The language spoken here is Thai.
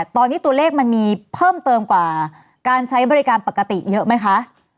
ตอนนี้ตัวเลขมันมีเพิ่มเติมกว่าการใช้บริการปกติเยอะไหมคะ